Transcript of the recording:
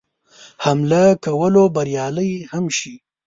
حمله کولو بریالی هم شي.